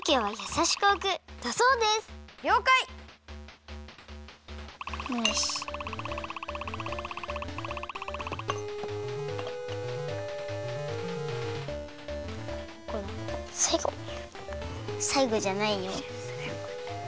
さいごじゃないよ。